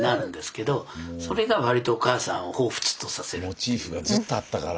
モチーフがずっとあったから。